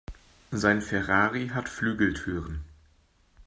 Sein Ferrari hat Flügeltüren.